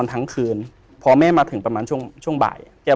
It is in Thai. สิ่งที่เขาพูดถูก